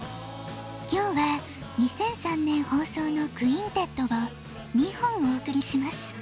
今日は２００３年ほうそうの「クインテット」を２本おおくりします。